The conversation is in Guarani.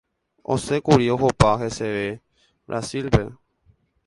osẽkuri ohopa heseve Brasil-pe.